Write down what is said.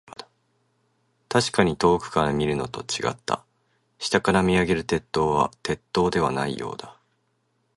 確かに遠くから見るのと、違った。下から見上げる鉄塔は、鉄塔ではないようだ。